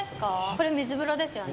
これ水風呂ですよね。